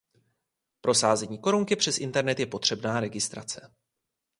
Pro sázení Korunky přes internet je potřebná registrace.